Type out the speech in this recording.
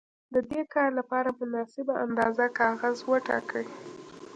د دې کار لپاره مناسبه اندازه کاغذ وټاکئ.